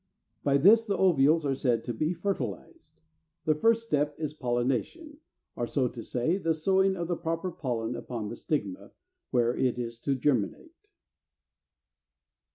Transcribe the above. By this the ovules are said to be fertilized. The first step is pollination, or, so to say, the sowing of the proper pollen upon the stigma, where it is to germinate.